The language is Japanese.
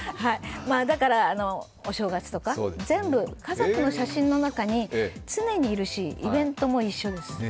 だからお正月とか全部家族の写真の中に常にいるし、イベントも一緒です。